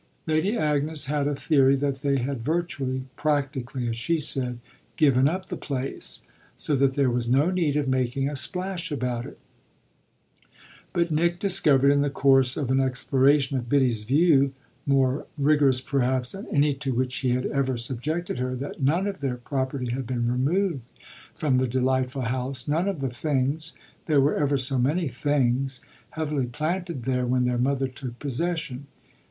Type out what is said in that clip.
Lady Agnes had a theory that they had virtually "practically" as she said given up the place, so that there was no need of making a splash about it; but Nick discovered in the course of an exploration of Biddy's view more rigorous perhaps than any to which he had ever subjected her, that none of their property had been removed from the delightful house none of the things (there were ever so many things) heavily planted there when their mother took possession.